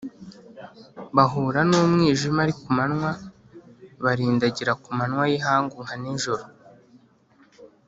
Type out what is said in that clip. bahura n’umwijima ari ku manywa, barindagira ku manywa y’ihangu nka nijoro